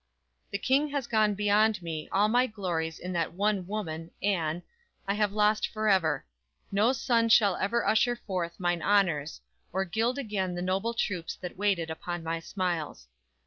The King has gone beyond me, all my glories In that one woman (Anne) I have lost forever; No sun shall ever usher forth mine honors, Or gild again the noble troops that waited Upon my smiles.